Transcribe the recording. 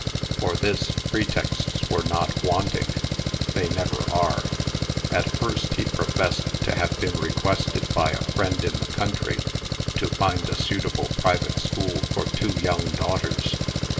For this, pretexts were not wanting. They never are. At first, he professed to have been requested, by a friend in the country, to find a suitable private school for two young daughters.